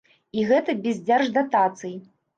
І гэта без дзярждатацый.